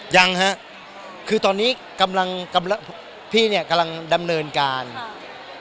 ยังฮะคือตอนนี้กำลังกำลังพี่เนี่ยกำลังดำเนินการ